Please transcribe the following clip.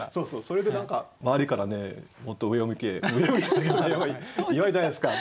それで何か周りからねもっと上を向け上を見て言われるじゃないですか。